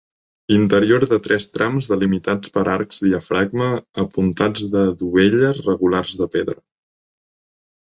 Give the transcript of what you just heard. Interior de tres trams delimitats per arcs diafragma apuntats de dovelles regulars de pedra.